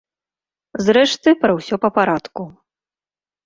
Зрэшты, пра ўсё па парадку.